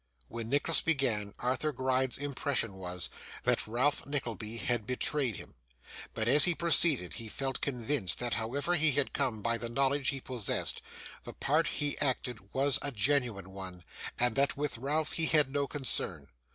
When Nicholas began, Arthur Gride's impression was, that Ralph Nickleby had betrayed him; but, as he proceeded, he felt convinced that however he had come by the knowledge he possessed, the part he acted was a genuine one, and that with Ralph he had no concern.